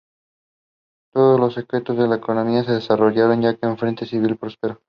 Todos los sectores de la economía se desarrollaron ya que el frente civil prosperó.